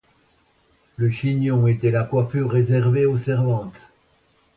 Le chignon était la coiffure réservée aux servantes.